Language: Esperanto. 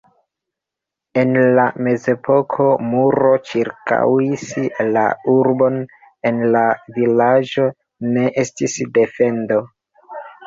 En la mezepoko muro ĉirkaŭis la urbon, en la vilaĝo ne estis defendo.